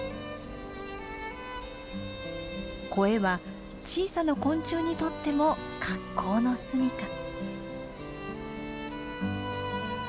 コエは小さな昆虫にとっても格好の住みか。